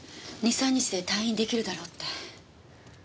２３日で退院出来るだろうって。